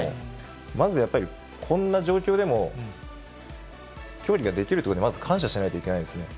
まずやっぱり、こんな状況でも、競技ができることにまず感謝しないといけないですね。